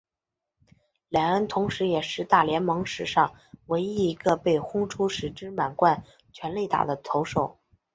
莱恩同时也是大联盟史上唯一一个被轰出十支满贯全垒打的投手。